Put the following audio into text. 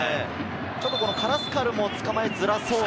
カラスカルも捕まえづらそうな。